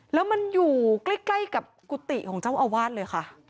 แล้วมันอยู่ใกล้กับกุฏิของเจ้าอาวาสเลยค่ะ